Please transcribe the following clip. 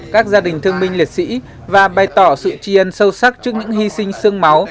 các gia đình thương minh liệt sĩ và bày tỏ sự tri ân sâu sắc trước những hy sinh sương máu